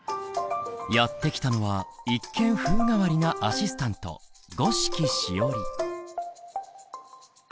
やって来たのは一見風変わりなアシスタント五色しおり。